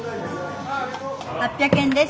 ８００円です。